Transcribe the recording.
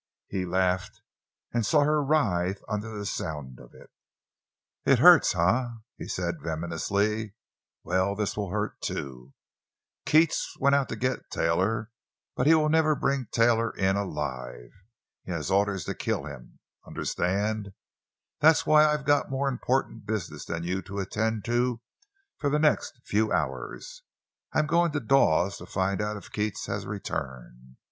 He laughed, and saw her writhe under the sound of it. "It hurts, eh?" he said venomously; "well, this will hurt, too. Keats went out to get Taylor, but he will never bring Taylor in—alive. He has orders to kill him—understand? That's why I've got more important business than you to attend to for the next few hours. I'm going to Dawes to find out if Keats has returned.